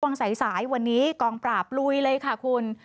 สายวันนี้กองปราบลุยเลยค่ะคุณ